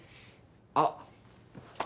あっ。